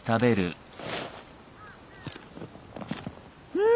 うん！